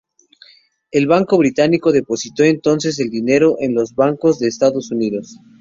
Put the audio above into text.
El banco británico depositó entonces el dinero en los bancos de Estados Unidos.